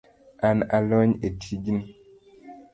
An alony e tijni